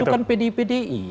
tapi itu kan pdi pdi